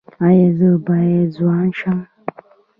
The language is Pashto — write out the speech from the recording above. ایا زه باید ځوان شم؟